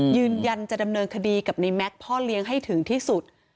ยืนยันจะดำเนินคดีกับในแม็กซ์พ่อเลี้ยงให้ถึงที่สุด